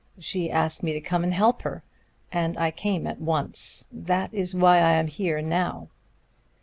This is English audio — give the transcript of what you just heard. She asked me to come and help her, and I came at once. That is why I am here now."